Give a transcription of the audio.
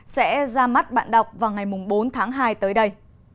sẽ ra mắt bạn đọc vào ngày bốn tháng hai tới đây